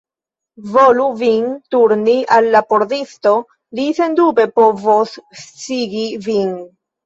Volu vin turni al la pordisto; li sendube povos sciigi vin.